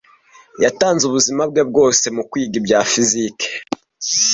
Yatanze ubuzima bwe bwose mukwiga ibya fiziki.